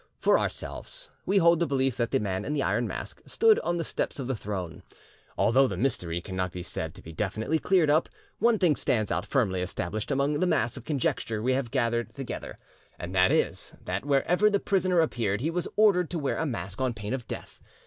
For ourselves, we hold the belief that the Man in the Iron Mask stood on the steps of the throne. Although the mystery cannot be said to be definitely cleared up, one thing stands out firmly established among the mass of conjecture we have collected together, and that is, that wherever the prisoner appeared he was ordered to wear a mask on pain of death.